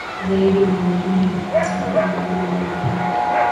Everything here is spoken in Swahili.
zaidi ulimwenguni ni kwa sababu hubeba maji mengi